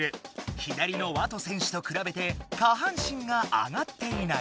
左のＷＡＴＯ選手とくらべて下半身が上がっていない。